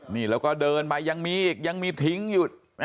นี่แล้วก็เดินไปยังมีอีกยังมีทิ้งอยู่